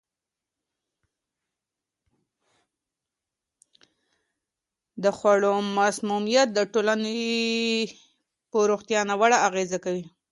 د خوړو مسمومیت د ټولنې په روغتیا ناوړه اغېزه کوي.